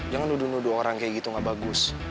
jangan nudu nudu orang kayak gitu gak bagus